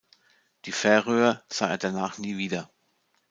Die Färöer sah er danach nie wieder.